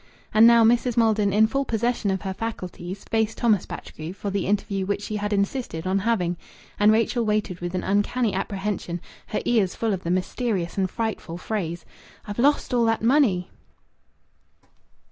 And now Mrs. Maldon, in full possession of her faculties, faced Thomas Batchgrew for the interview which she had insisted on having. And Rachel waited with an uncanny apprehension, her ears full of the mysterious and frightful phrase, "I've lost all that money."